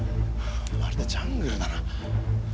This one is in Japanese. まるでジャングルだな。